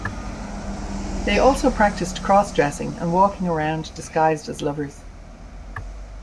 They also practiced cross-dressing and walking around disguised as lovers.